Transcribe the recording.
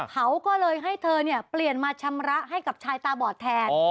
เขาก็เลยให้เธอเปลี่ยนมาชำระให้กับชายตาบอดแทน